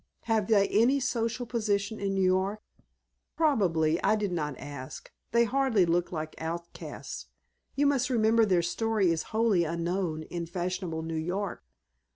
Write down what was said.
Have they any social position in New York?" "Probably. I did not ask. They hardly looked like outcasts. You must remember their story is wholly unknown in fashionable New York.